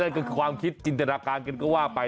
อะไรกับความคิดจินตนการก็ว่าไป